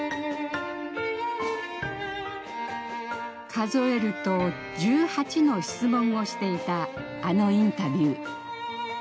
数えると１８の質問をしていたあのインタビュー。